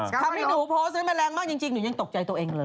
ทำให้หนูโพสต์ไว้มันแรงมากจริงหนูยังตกใจตัวเองเลย